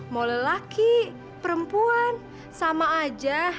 mau lelaki perempuan sama aja